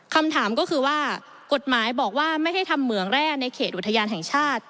คำถามก็คือว่ากฎหมายบอกว่าไม่ให้ทำเหมืองแร่ในเขตอุทยานแห่งชาติ